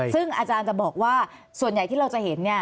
ซึ่งอาจารย์จะบอกว่าส่วนใหญ่ที่เราจะเห็น